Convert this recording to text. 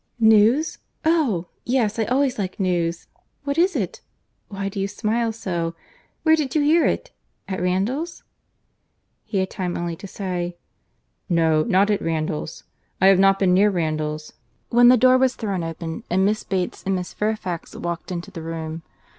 "News! Oh! yes, I always like news. What is it?—why do you smile so?—where did you hear it?—at Randalls?" He had time only to say, "No, not at Randalls; I have not been near Randalls," when the door was thrown open, and Miss Bates and Miss Fairfax walked into the room.